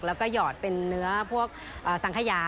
แล้วก็หยอดเป็นเนื้อพวกสังขยา